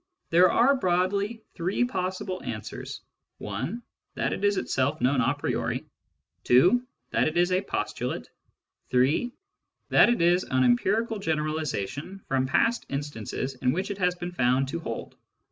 There are broadly three possible answers : (i) that it is itself known a priori ; (2) that it is a postulate ; (3) that it is an empirical generalisation from past instances in which it has been found to hold.